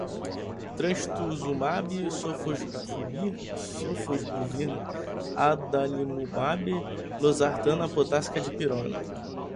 Trastuzumabe, sofosbuvir, adalimumabe, losartana potássica, dipirona